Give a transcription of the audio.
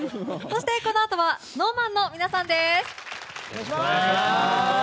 そして、このあとはＳｎｏｗＭａｎの皆さんです。